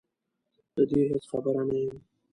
له دې هېڅ خبره نه یم